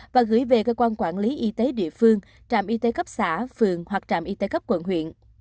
và gửi về cơ quan quản lý y tế địa phương trạm y tế cấp xã phường hoặc trạm y tế cấp quận huyện